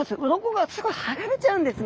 鱗がすぐ剥がれちゃうんですね。